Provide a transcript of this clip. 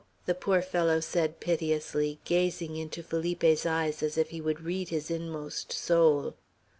the poor fellow said piteously, gazing into Felipe's eyes as if he would read his inmost soul.